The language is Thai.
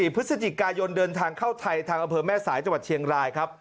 พฤศจิกายนเดินทางเข้าไทยทางอำเภอแม่สายจังหวัดเชียงรายครับ